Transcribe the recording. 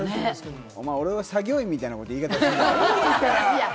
お前、俺を作業員みたいな言い方するな！